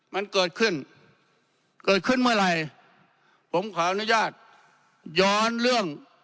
มันเกิดขึ้นเกิดขึ้นเมื่อไหร่ผมขออนุญาตย้อนเรื่อง